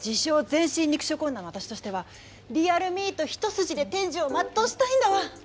「全身肉食女」の私としてはリアルミート一筋で天寿を全うしたいんだわ。